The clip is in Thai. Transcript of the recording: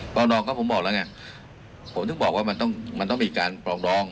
รองนองก็ผมบอกแล้วไงผมถึงบอกว่ามันต้องมันต้องมีการปรองดอง